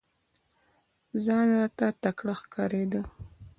ځان راته تکړه ښکارېدی !